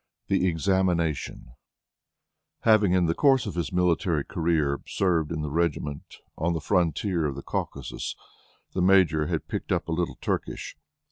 THE EXAMINATION Having, in the course of his military career, served in the regiment on the frontier of the Caucasus, the Major had picked up a little Turkish.